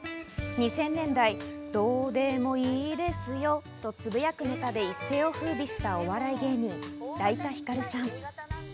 ２０００年代、どうでもいいですよとつぶやくネタで一世を風靡したお笑い芸人・だいたひかるさん。